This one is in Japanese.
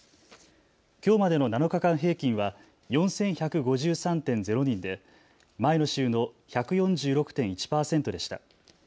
きょうまでの７日間平均は４１５３．０人で前の週の１４６．１％でした。